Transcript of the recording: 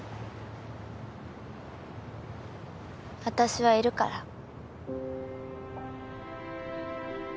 私はいるから。